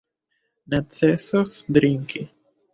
Necesos drinki.